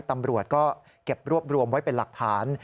ตำรวจก็เก็บรวบรวมไว้เป็นหลักฐาน